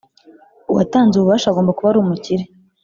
uwatanze ububasha agomba kuba ari umukire